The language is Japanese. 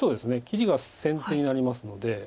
切りが先手になりますので。